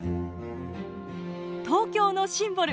東京のシンボル